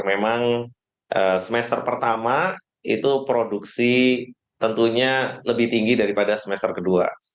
memang semester pertama itu produksi tentunya lebih tinggi daripada semester kedua